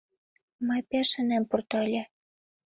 Мый пеш ынем пурто ыле...